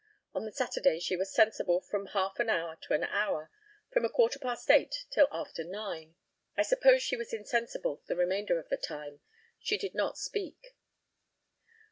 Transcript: On the Saturday she was sensible from half an hour to an hour, from a quarter past eight till after nine. I suppose she was insensible the remainder of the time. She did not speak.